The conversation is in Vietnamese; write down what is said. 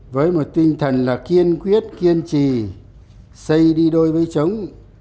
với một tinh thần là kiên quyết kiên trì xây đi đôi với chống